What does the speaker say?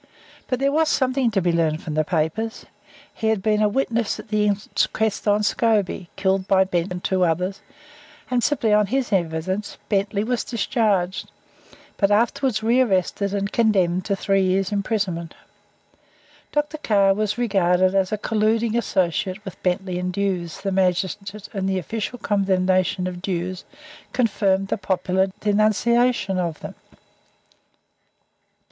But there was something to be learned from the papers. He had been a witness at the inquest on Scobie, killed by Bentley and two others, and principally on his evidence Bentley was discharged, but was afterwards re arrested and condemned to three years' imprisonment. Dr. Carr was regarded as a "colluding associate" with Bentley and Dewes, the magistrate, and the official condemnation of Dewes confirmed the popular denunciation of them.